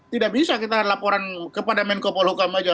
tidak bisa kita laporan kepada menko polhukam aja